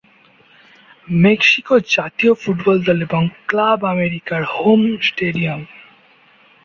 Mexico জাতীয় football দল এবং ক্লাব আমেরিকার হোম স্টেডিয়াম।